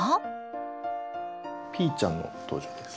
ピーちゃんの登場です。